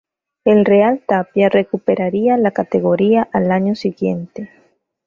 El Real Tapia recuperaría la categoría al año siguiente.